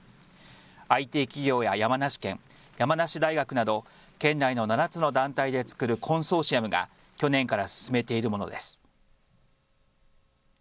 ＩＴ企業や山梨県、山梨大学など県内の７つの団体で作るコンソーシアムが去年から進めているものです。